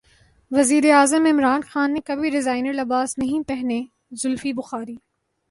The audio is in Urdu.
وزیراعظم عمران خان نے کبھی ڈیزائنر لباس نہیں پہنے زلفی بخاری